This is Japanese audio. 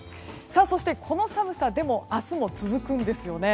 そして、この寒さ明日も続くんですよね。